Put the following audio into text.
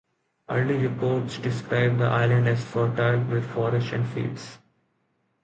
Early reports describes the island as fertile, with forest and fields.